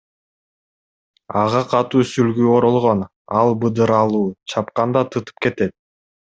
Ага катуу сүлгү оролгон, ал быдыралуу, чапканда тытып кетет.